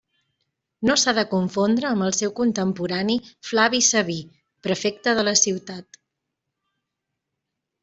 No s'ha de confondre amb el seu contemporani Flavi Sabí, prefecte de la ciutat.